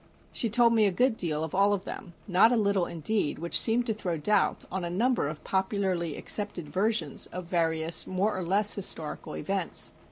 She told me a good deal of all of them, not a little, indeed, which seemed to throw doubt on a number of popularly accepted versions of various more or less historical events.